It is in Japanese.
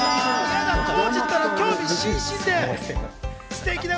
浩次ったら興味津々で。